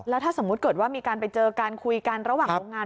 แล้วถ้าสมมุติเกิดว่ามีการไปเจอการคุยกันระหว่างโรงงาน